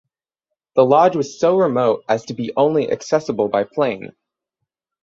The lodge was so remote as to be only accessible by plane.